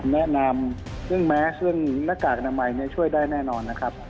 แนะนำเรื่องแมสเรื่องหน้ากากอนามัยช่วยได้แน่นอนนะครับ